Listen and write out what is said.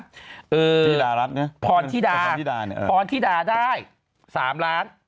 พรธิดารัฐเนี่ยพรธิดาพรธิดาได้๓ล้านบาท